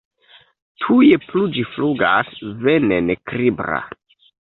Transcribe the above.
Tuj plu ĝi flugas, venenkribra.